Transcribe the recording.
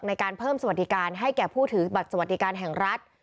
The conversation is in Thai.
ในการเพิ่มสวัสดิการให้แก่ผู้ถือบัตรสวัสดิการแห่งรัฐ